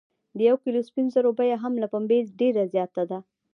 د یو کیلو سپینو زرو بیه هم له پنبې ډیره زیاته ده.